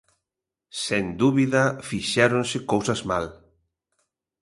Sen dúbida, fixéronse cousas mal.